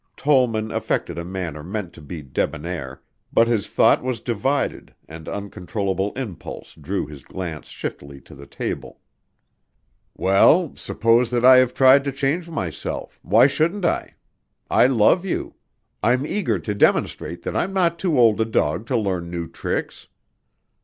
Tollman affected a manner meant to be debonair, but his thought was divided and uncontrollable impulse drew his glance shiftily to the table. "Well, suppose that I have tried to change myself, why shouldn't I? I love you. I'm eager to demonstrate that I'm not too old a dog to learn new tricks."